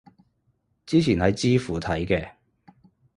之前喺知乎睇嘅